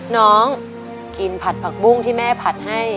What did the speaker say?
น้องกินผัดผักบุ้งที่แม่ผัดให้